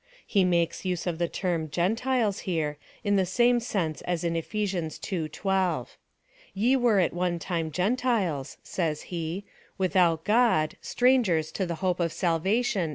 He makes use of the term Gentiles here, in the same sense as in Eph. ii. 12. Ye were at one time Gentiles, says he, luithout God, strangers to the hope of salvation, &c.